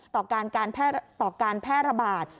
ต่อการแพร่ระบาด